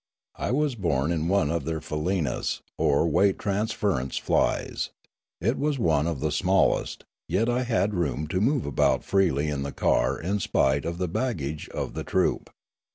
I was borne in one of their faleenas or weight transference flies; it was one of the smallest, yet I had room to move about freely in the car in spite of the baggage of the troop.